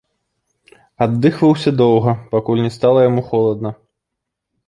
Аддыхваўся доўга, пакуль не стала яму холадна.